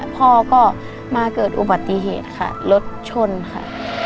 พ่อก็มาเกิดอุบัติเหตุค่ะรถชนค่ะ